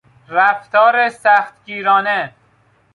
رفتار سختگیرانه